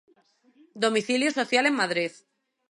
Domicilio social en Madrid.